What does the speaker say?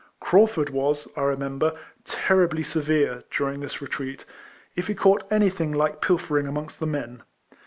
Craufurd was, I remember, terribly severe, during this retreat, if he caught anything like pilfering amongst the men.